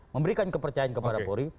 memberikan kepercayaan kepada polri